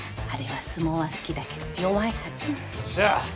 あれは相撲は好きだけど弱いはず。